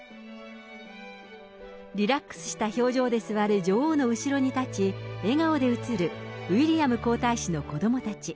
リラックスした表情で座る女王の後ろに立ち、笑顔で写るウィリアム皇太子の子どもたち。